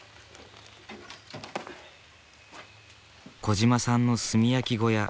小嶋さんの炭焼き小屋。